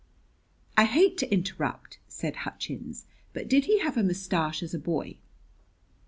"I hate to interrupt," said Hutchins; "but did he have a mustache as a boy?"